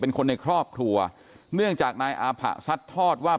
เป็นคนในครอบครัวเนื่องจากนายอาผะซัดทอดว่า